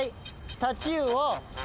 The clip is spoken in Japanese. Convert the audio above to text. タチウオ。